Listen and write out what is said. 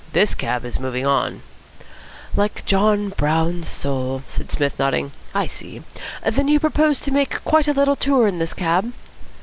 This cab is moving on." "Like John Brown's soul," said Psmith, nodding. "I see. Then you propose to make quite a little tour in this cab?"